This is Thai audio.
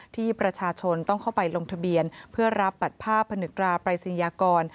ที่ประชาชนต้องเข้าไปลงทะเบียนเพื่อรับบัตรภาพพนึกราปรายศนียากร